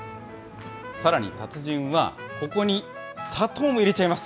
さらに達人は、ここに砂糖も入れちゃいます。